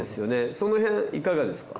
そのへんいかがですか？